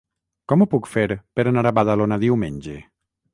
Com ho puc fer per anar a Badalona diumenge?